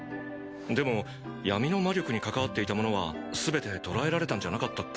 でも闇の魔力に関わっていた者は全て捕らえられたんじゃなかったっけ？